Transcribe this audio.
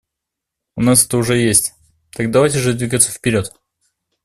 У нас это уже есть; так давайте же двигаться вперед.